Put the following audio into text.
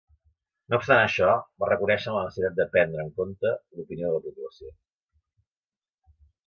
No obstant això, va reconèixer la necessitat de prendre en compte l'opinió de la població.